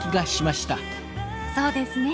そうですね。